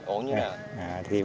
ổn như thế nào